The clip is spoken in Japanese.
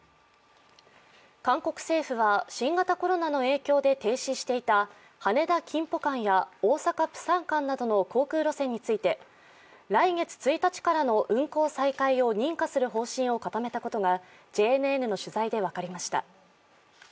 韓国政府が新型コロナの影響で停止していた羽田−キンポ間や大阪−プサン間などの航空路線について、来月１日からの運航再開を認可する方針を固めたことがＪＮＮの取材で分かりました。